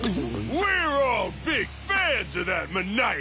おい！